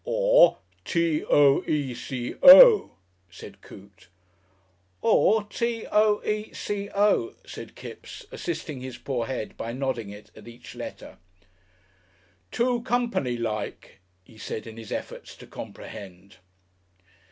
"Or T. O. E. C. O.," said Coote. "Or T. O. E. C. O.," said Kipps, assisting his poor head by nodding it at each letter. "Toe Company like," he said in his efforts to comprehend.